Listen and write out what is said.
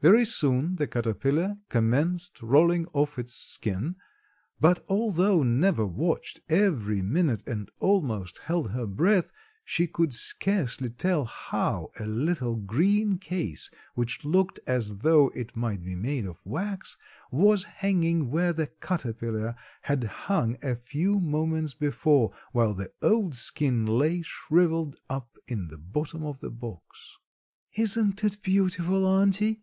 Very soon the caterpillar commenced rolling off its skin, but although Neva watched every minute and almost held her breath, she could scarcely tell how a little, green case, which looked as though it might be made of wax, was hanging where the caterpillar had hung a few moments before, while the old skin lay shriveled up in the bottom of the box. "Isn't it beautiful, auntie?"